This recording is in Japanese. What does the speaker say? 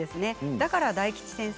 だから大吉先生